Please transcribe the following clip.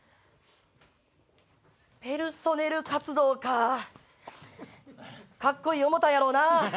『ペルソネル活動』かぁカッコいい思たんやろな。